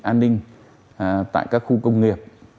an ninh tại các khu công nghiệp